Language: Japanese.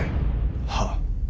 はっ。